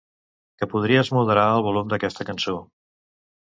Que podries moderar el volum d'aquesta cançó.